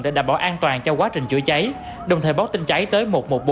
để đảm bảo an toàn cho quá trình chữa cháy đồng thời báo tin cháy tới một trăm một mươi bốn